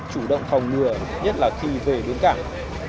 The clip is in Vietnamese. chủ động phòng lừa nhất là khi về đến cảng